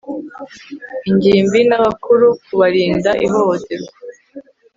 ingimbi n abakuru kubarinda ihohoterwa